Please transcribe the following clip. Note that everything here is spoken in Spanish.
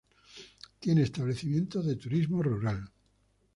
Tiene establecimientos de turismo rural.